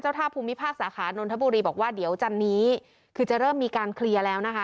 ท่าภูมิภาคสาขานนทบุรีบอกว่าเดี๋ยวจันนี้คือจะเริ่มมีการเคลียร์แล้วนะคะ